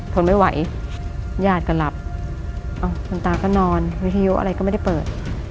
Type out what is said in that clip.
ทนไม่ไหวญาติก็หลับคุณตาก็นอนวิทยุอะไรก็ไม่ได้เปิด